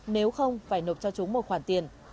nếu không phải nộp cho chúng một khoản tiền